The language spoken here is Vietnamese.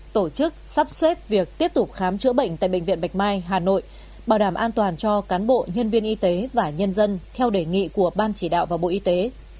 tổ chức sắp xếp việc tiếp tục khám chữa bệnh tại bệnh viện bạch mai hà nội bảo đảm an toàn cho cán bộ nhân viên y tế và nhân dân theo đề nghị của ban chỉ đạo và bộ y tế